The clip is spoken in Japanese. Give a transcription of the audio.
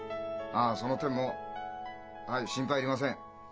ああその点もはい心配いりません。